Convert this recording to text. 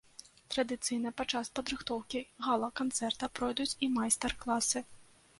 Традыцыйна падчас падрыхтоўкі гала-канцэрта пройдуць і майстар-класы.